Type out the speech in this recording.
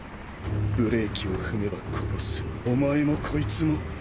ブレーキを踏めば殺すお前もこいつも。